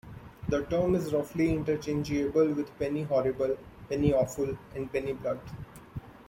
The term is roughly interchangeable with penny horrible, penny awful, and penny blood.